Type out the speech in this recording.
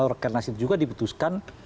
rpimnas itu juga diputuskan